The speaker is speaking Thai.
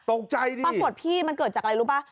ตกใจดีปรากฏพี่มันเกิดจากอะไรรู้ป่ะ